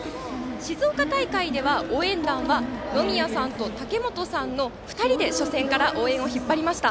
静岡大会では応援団はのみやさんと、たけもとさんの２人で初戦から応援を引っ張りました。